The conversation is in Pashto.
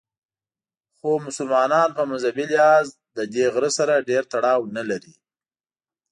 خو مسلمانان په مذهبي لحاظ له دې غره سره ډېر تړاو نه لري.